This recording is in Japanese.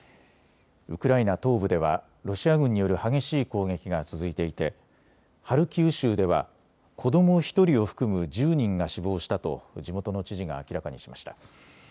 ウクライナ東部ではロシア軍による激しい攻撃が続いていてハルキウ州では、子ども１人を含む１０人が死亡したと地元の知事が明らかにしました。